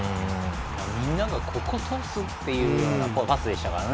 みんなが、ここを通すというようなパスでしたからね。